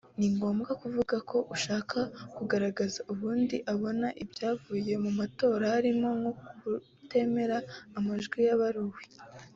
ni ngombwa kuvuga ko ushaka kugaragaza ukundi abona ibyavuye mu matora harimo nko kutemera amajwi yabaruwe